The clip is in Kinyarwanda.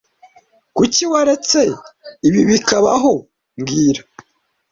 Kuki waretse ibi bikabaho mbwira